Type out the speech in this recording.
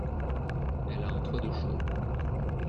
Elle a un toit de chaume.